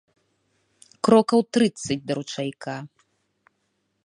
Крокаў трыццаць да ручайка.